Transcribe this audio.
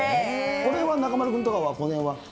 これは中丸君とかは、このへんは。